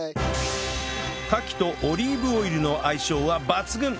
カキとオリーブオイルの相性は抜群！